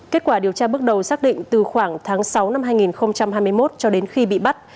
kết quả điều tra bước đầu xác định từ khoảng tháng sáu năm hai nghìn hai mươi một cho đến khi bị bắt